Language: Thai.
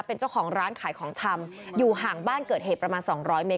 เป็นเจ้าของร้านขายของชำอยู่ห่างบ้านเกิดเหตุประมาณสองร้อยเมตร